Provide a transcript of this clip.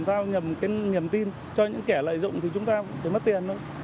giao nhầm cái nhầm tin cho những kẻ lợi dụng thì chúng ta cũng phải mất tiền nữa